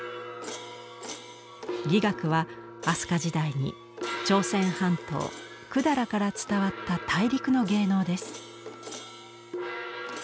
「伎楽」は飛鳥時代に朝鮮半島百済から伝わった大陸の芸能です。